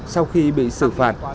sau khi bị xử phạt